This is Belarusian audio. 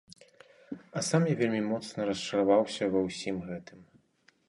А сам я вельмі моцна расчараваўся ва ўсім гэтым.